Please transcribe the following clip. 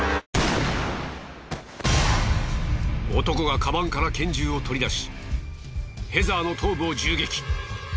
男がカバンから拳銃を取り出しヘザーの頭部を銃撃。